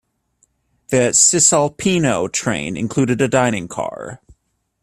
The Cisalpino train included a dining car.